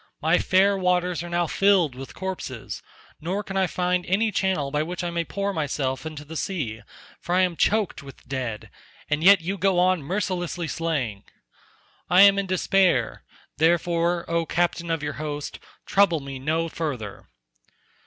My fair waters are now filled with corpses, nor can I find any channel by which I may pour myself into the sea for I am choked with dead, and yet you go on mercilessly slaying. I am in despair, therefore, O captain of your host, trouble me no further."